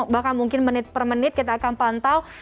bahkan mungkin menit per menit kita akan pantau